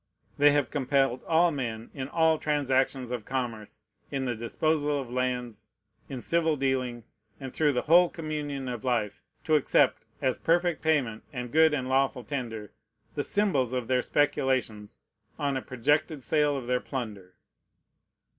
They have compelled all men, in all transactions of commerce, in the disposal of lands, in civil dealing, and through the whole communion of life, to accept, as perfect payment and good and lawful tender, the symbols of their speculations on a projected sale of their plunder.